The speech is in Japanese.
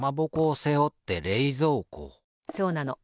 そうなの。